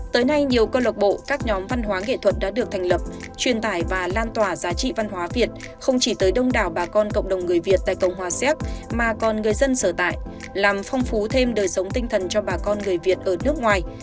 tới nay nhiều cơ lộc bộ các nhóm văn hóa nghệ thuật đã được thành lập truyền tải và lan tỏa giá trị văn hóa việt không chỉ tới đông đảo bà con cộng đồng người việt tại cộng hòa xéc mà còn người dân sở tại làm phong phú thêm đời sống tinh thần cho bà con người việt ở nước ngoài